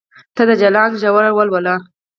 ته د جلان ژور ولوله